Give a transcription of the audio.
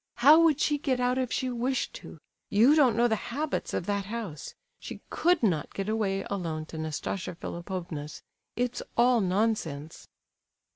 "How would she get out if she wished to? You don't know the habits of that house—she could not get away alone to Nastasia Philipovna's! It's all nonsense!"